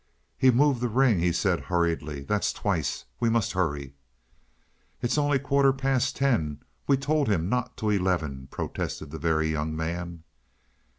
"He moved the ring," he said hurriedly. "That's twice. We must hurry." "It's only quarter past ten. We told him not till eleven," protested the Very Young Man.